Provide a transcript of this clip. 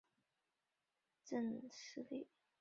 为谢氏成为江左高门大族取得方镇实力。